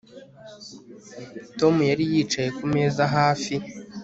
Tom yari yicaye kumeza hafi